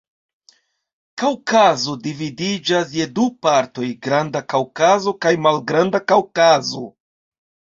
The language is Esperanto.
Kaŭkazo dividiĝas je du partoj: Granda Kaŭkazo kaj Malgranda Kaŭkazo.